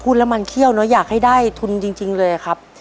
น้ำมันเขี้ยวเนอะอยากให้ได้ทุนจริงเลยครับ